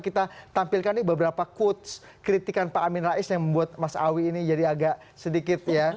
kita tampilkan nih beberapa quotes kritikan pak amin rais yang membuat mas awi ini jadi agak sedikit ya